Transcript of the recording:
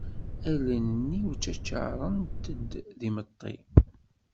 Allen-iw ttaččarent-d d immeṭṭi.